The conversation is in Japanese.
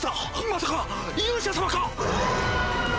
まさか勇者様か？